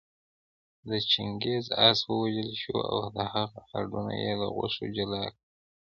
د چنګېز آس ووژل شو او د هغه هډونه يې له غوښو جلا کړل